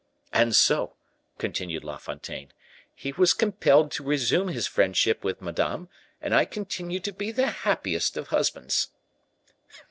And so," continued La Fontaine, "he was compelled to resume his friendship with madame, and I continue to be the happiest of husbands."